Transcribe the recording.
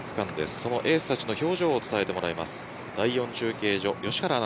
そのエースたちの表情を伝えてもらいます。